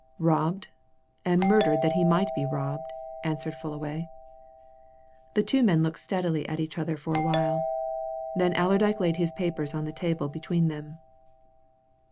"Robbed and murdered that he might be robbed!" answered Fullaway. The two men looked steadily at each other for a while. Then Allerdyke laid his papers on the table between them.